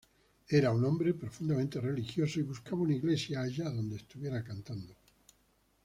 Era un hombre profundamente religioso y buscaba una iglesia allá donde estuviera cantando.